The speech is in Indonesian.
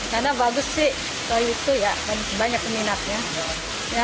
karena bagus sih koi itu ya banyak peminatnya